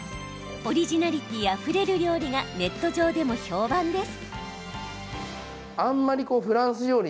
オリジナリティーあふれる料理がネット上でも評判です。